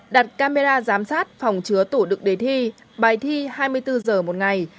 đặt camera giám sát phòng chứa tủ đựng đề thi bài thi hai mươi bốn giờ một ngày